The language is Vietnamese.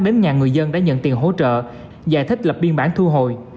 đến nhà người dân để nhận tiền hỗ trợ giải thích lập biên bản thu hồi